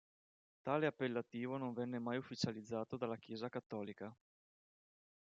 Tale appellativo non venne mai ufficializzato dalla Chiesa cattolica.